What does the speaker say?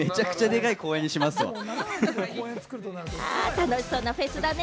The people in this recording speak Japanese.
楽しそうなフェスだね。